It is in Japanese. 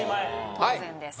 当然です